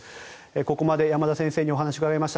ここまで山田先生にお話を伺いました。